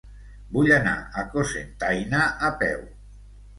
Vull anar a Cocentaina a peu.